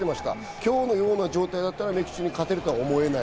今日のような状態なら、メキシコに勝てると思えない。